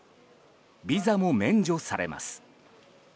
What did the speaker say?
ビザも免除されます。